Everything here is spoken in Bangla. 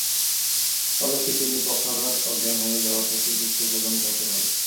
ফলে খিঁচুনি, পক্ষাঘাত, অজ্ঞান হয়ে যাওয়া থেকে মৃত্যু পর্যন্ত হতে পারে।